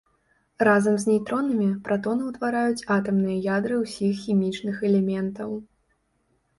Разам з нейтронамі пратоны ўтвараюць атамныя ядры ўсіх хімічных элементаў.